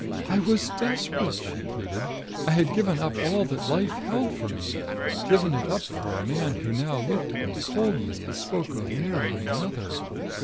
"I was desperate," she pleaded. "I had given up all that life held for me given it up for a man who now looked at me coldly and spoke of marrying another.